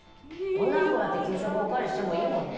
女の子だって給食お代わりしてもいいもんね。